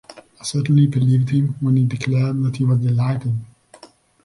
I certainly believed him when he declared he was 'delighted'.